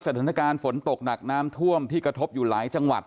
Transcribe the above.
สถานการณ์ฝนตกหนักน้ำท่วมที่กระทบอยู่หลายจังหวัด